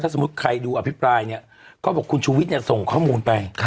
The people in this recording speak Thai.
สมมุติใครดูอภิปรายเนี่ยก็บอกคุณชูวิทย์เนี่ยส่งข้อมูลไป